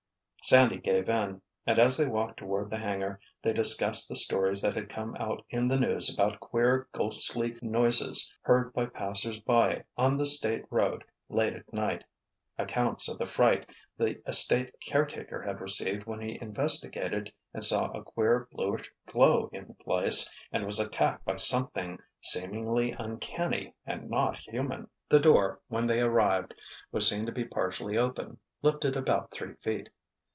Sandy gave in, and as they walked toward the hangar they discussed the stories that had come out in the news about queer, ghostly noises heard by passers by on the state road late at night, accounts of the fright the estate caretaker had received when he investigated and saw a queer, bluish glow in the place and was attacked by something seemingly uncanny and not human. The door, when they arrived, was seen to be partially open, lifted about three feet.